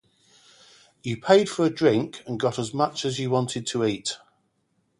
You paid for a drink and got as much as you wanted to eat.